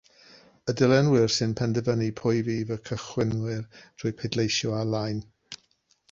Y dilynwyr sy'n penderfynu pwy fydd y cychwynwyr drwy bleidleisio ar-lein.